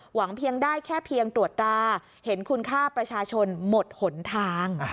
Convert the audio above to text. เพียงได้แค่เพียงตรวจตราเห็นคุณค่าประชาชนหมดหนทาง